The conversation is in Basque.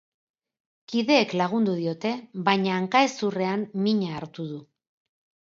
Kideek lagundu diote, baina hanka-hezurrean mina hartu du.